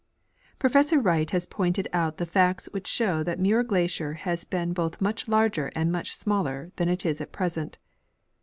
Professor Wright has pointed out the facts Avhich shoAV that Muir glacier has been both much larger and much smaller than it is at present.